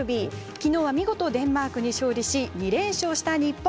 きのうは見事デンマークに勝利し２連勝した日本。